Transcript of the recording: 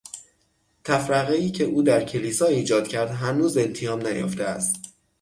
تفرقهای که او در کلیسا ایجاد کرد هنوز التیام نیافته است.